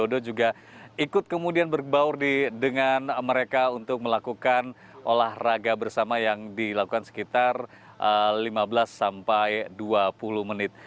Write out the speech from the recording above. jokowi dodo juga ikut kemudian berbaur dengan mereka untuk melakukan olahraga bersama yang dilakukan sekitar lima belas sampai dua puluh menit